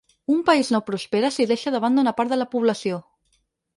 Un país no prospera si deixa de banda una part de la població.